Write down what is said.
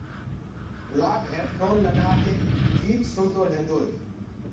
گُلاب هيڊ ڦون لگآڪي گآنآ سُڻدو ريهندوئي